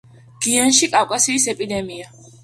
გიეში კავკასიის ენდემია.